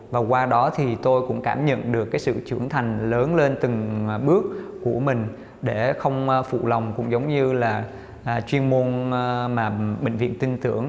và qua đó thì tôi cũng cảm nhận được cái sự trưởng thành lớn lên từng bước của mình để không phụ lòng cũng giống như là chuyên môn mà bệnh viện tin tưởng